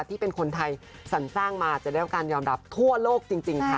ที่เป็นคนไทยสรรสร้างมาจะได้รับการยอมรับทั่วโลกจริงค่ะ